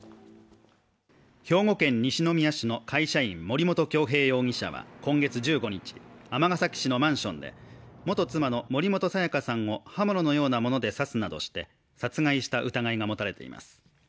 兵庫県西宮市の会社員、森本恭平容疑者は今月１５日、尼崎市のマンションで元妻の森本彩加さんを刃物のようなもので刺すなどして殺害した疑いが持たれています。